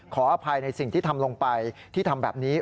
ขออภัยในสิ่งที่ทำลงไปที่ทำแบบนี้